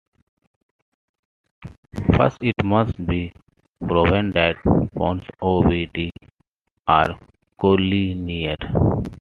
First, it must be proven that points O, B, D are collinear.